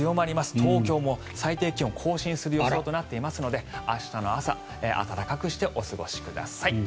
東京も最低気温を更新する予想となっていますので明日の朝暖かくしてお過ごしください。